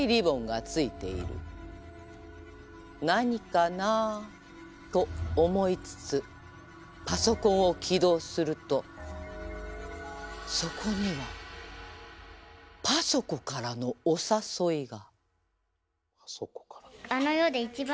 何かなと思いつつパソコンを起動するとそこにはパソ子からのお誘いが。